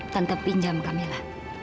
tante pinjam kamila